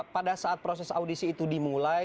pada saat proses audisi itu dimulai